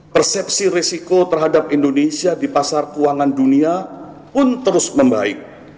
persepsi risiko terhadap indonesia di pasar keuangan dunia pun terus membaik